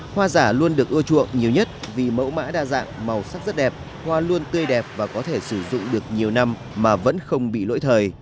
hoa giả luôn được ưa chuộng nhiều nhất vì mẫu mã đa dạng màu sắc rất đẹp hoa luôn tươi đẹp và có thể sử dụng được nhiều năm mà vẫn không bị lỗi thời